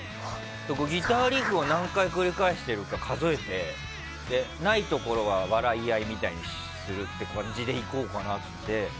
ギターリフを何回繰り返してるか数えてないところは笑い合いみたいにするっていう感じでいこうかなって。